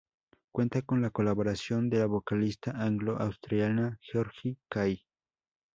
Cuenta con la colaboración de la vocalista anglo-australiana Georgi Kay.